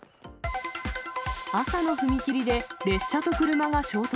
朝の踏切で列車と車が衝突。